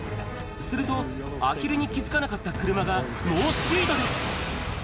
すると、アヒルに気付かなかった車が、猛スピードで。